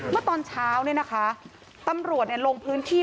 เมื่อตอนเช้าตำรวจลงพื้นที่